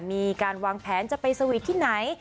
มีการวางแผนจะไปสวีทที่ไหน